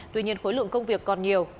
tuy nhiên khối lượng công việc còn nhiều